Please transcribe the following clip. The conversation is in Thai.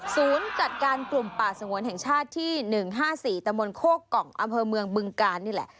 ศูนย์กัดการกลุ่มป่าสงวนแห่งชาติที่๑๕๔ตมโคกองอเมืองบึงการนี่แหละ